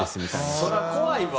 そりゃ怖いわ。